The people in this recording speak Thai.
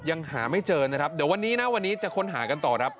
ยังหาไม่เจอนะครับเดี๋ยววันนี้นะวันนี้จะค้นหากันต่อครับ